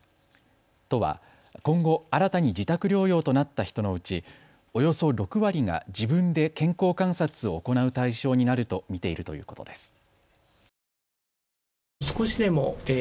都は、今後新たに自宅療養となった人のうちおよそ６割が自分で健康観察を行う対象になると見ているということです。